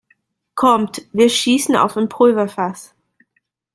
Kommt, wir schießen auf ein Pulverfass!